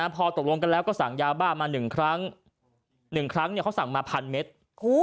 พอตกลงกันแล้วก็สั่งยาบ้ามา๑ครั้ง๑ครั้งเขาสั่งมา๑๐๐เมตร